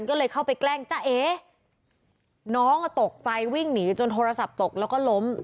ก็เลยเข้าไปแกล้งจ้าเอ๊น้องอ่ะตกใจวิ่งหนีจนโทรศัพท์ตกแล้วก็ล้ม